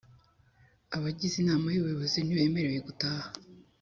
Abagize Inama y Ubuyobozi ntibemerewe gutaha